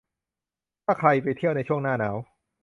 ถ้าใครไปเที่ยวในช่วงหน้าหนาว